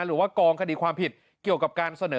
หรือว่ากองคดีความผิดเกี่ยวกับการเสนอ